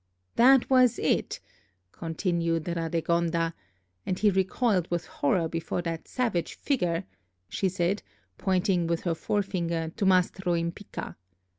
'" "That was it," continued Radegonda; "and he recoiled with horror before that savage figure," she said, pointing with her forefinger to Mastro Impicca.